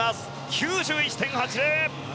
９１．８０！